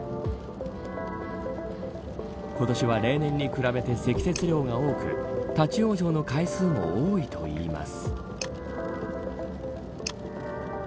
今年は例年に比べて積雪量が多く立ち往生の回数も多いといいます。